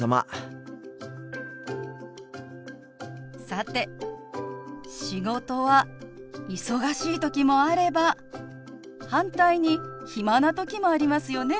さて仕事は忙しい時もあれば反対に暇な時もありますよね。